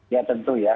ya tentu ya